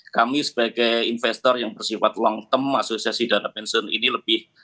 kami sebagai investor yang bersifat long term asosiasi dana pensiun ini lebih